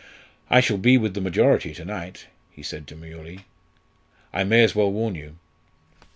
"I shall be with the majority to night," he said demurely. "I may as well warn you."